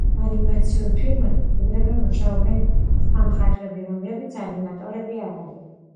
ანიმაციურ ფილმებზე აგრეთვე მუშაობენ სხვა მხატვრები, რომლებიც ანიმატორები არ არიან.